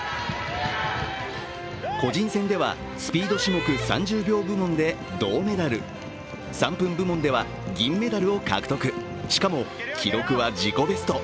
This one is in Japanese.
個人戦ではスピード種目３０秒部門で銅メダル３分部門では銀メダルを獲得、しかも記録は自己ベスト。